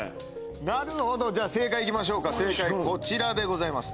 なるほど正解いきましょうか正解こちらでございます